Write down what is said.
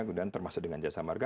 kemudian termasuk dengan jasa marga